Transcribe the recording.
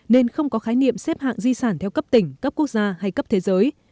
nên không có khái niệm xếp hạng di sản theo cấp tỉnh cấp quốc gia hay cấp thế giới